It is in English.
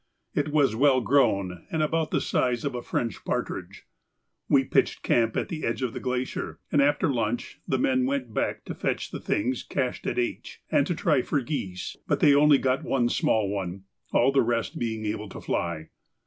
It was well grown and about the size of a French partridge. We pitched camp at the edge of the glacier, and after lunch the men went back to fetch the things cached at H, and to try for geese, but they only got one small one, all the rest being able to fly.